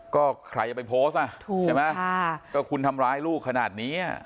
ก็ใครจะไปโพสต์อ่ะถูกใช่ไหมก็คุณทำร้ายลูกขนาดนี้อ่ะ